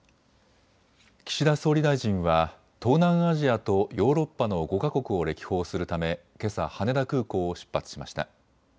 岸田総理大臣は東南アジアとヨーロッパの５か国を歴訪するためけさ羽田空港を出発しました。